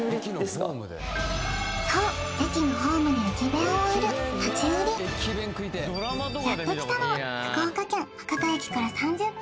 そう駅のホームで駅弁を売る立ち売りやってきたのは福岡県博多駅から３０分